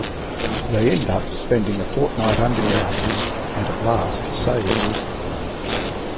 They end up spending a fortnight underground - and at last are saved.